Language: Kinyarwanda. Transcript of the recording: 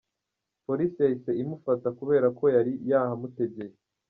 Polisi yahise imufata kubera ko yari yahamutegeye.